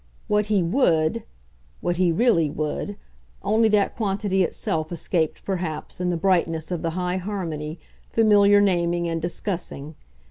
"What he would," what he REALLY would only that quantity itself escaped perhaps, in the brightness of the high harmony, familiar naming and discussing.